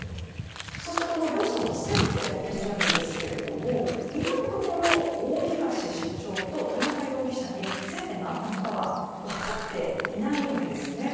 そして、両者の接点も気になるんですが今のところ大東社長と田中容疑者に接点があったのかは分かっていないんですね。